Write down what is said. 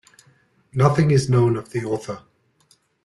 Nothing is known of the author.